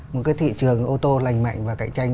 một cái thị trường ô tô lành mạnh và cạnh tranh